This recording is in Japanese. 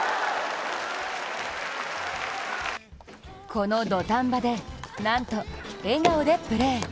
この土壇場で、なんと笑顔でプレー。